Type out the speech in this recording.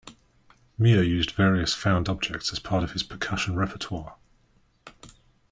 Muir used various found objects as part of his percussion repertoire.